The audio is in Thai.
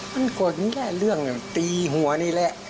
มันกดแค่เรื่องตีหัวนี่แหละ